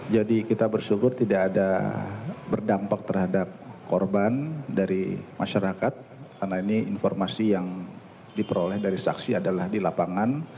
jadi kita bersyukur tidak ada berdampak terhadap korban dari masyarakat karena ini informasi yang diperoleh dari saksi adalah di lapangan